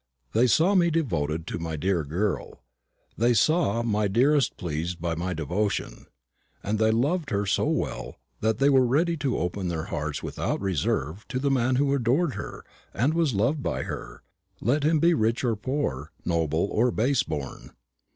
They saw me devoted to my dear girl, they saw my dearest pleased by my devotion, and they loved her so well that they were ready to open their hearts without reserve to the man who adored her and was loved by her, let him be rich or poor, noble or base born.